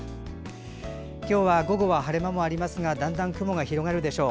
今日は午後は晴れ間もありますがだんだん雲が広がるでしょう。